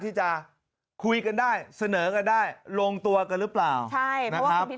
ที่จะคุยกันได้เสนอกันได้ลงตัวกันหรือเปล่าใช่นะครับ